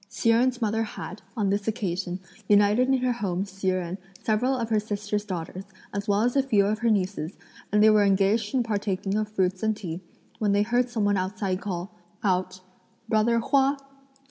Hsi Jen's mother had, on this occasion, united in her home Hsi Jen, several of her sister's daughters, as well as a few of her nieces, and they were engaged in partaking of fruits and tea, when they heard some one outside call out, "Brother Hua."